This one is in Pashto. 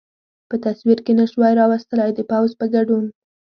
په تصور کې نه شوای را وستلای، د پوځ په ګډون.